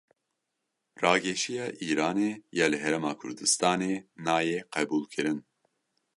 Rageşiya Îranê ya li Herêma Kurdistanê nayê qebûlkirin.